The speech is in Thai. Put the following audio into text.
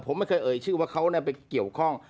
ผมไม่เคยเอ่ยชื่อว่าเขาไปเกี่ยวข้อง